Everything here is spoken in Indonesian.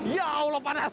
ya allah panas